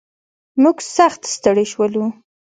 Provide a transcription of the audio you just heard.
موږ سخت ستړي شولو.